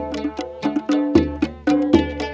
kualitas dan cerita di balik kopi